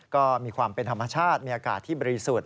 ก็มีความเป็นธรรมชาติมีอากาศที่บริสุทธิ์